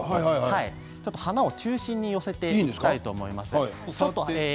ちょっと花を中心に寄せていきたいと思います。